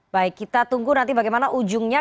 baik kita tunggu nanti bagaimana ujungnya